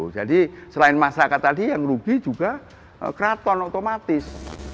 jadi selain masyarakat tadi yang rugi juga keraton otomatis